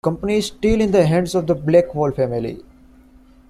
The company is still in the hands of the Blackwell family.